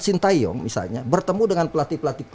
sintayong misalnya bertemu dengan pelatih pelatih